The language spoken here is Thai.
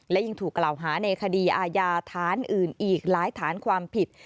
และยังถูกกล่าวหาในคดีอาญาฐานอื่นอีกหลายฐานความผิด